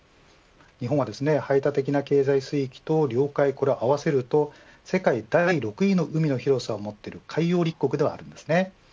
日本は排他的経済水域と領海これを合わせると世界第６位の海の広さを持っている海洋立国でもあります。